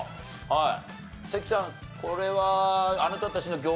はい。